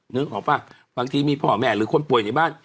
นึกออกป่ะบางทีมีพ่อแม่หรือคนป่วยในบ้าน